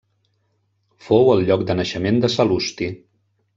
Fou el lloc de naixement de Sal·lusti.